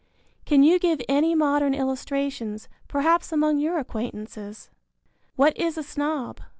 Can you give any modern illustrations, perhaps among your acquaintances? What is a snob?